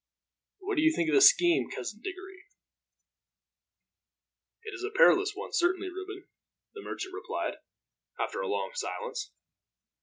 "What think you of the scheme, Cousin Diggory?" "It is a perilous one, certainly, Reuben," the merchant replied, after a long silence.